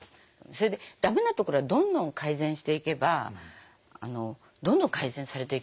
それで駄目なところはどんどん改善していけばどんどん改善されていきますから。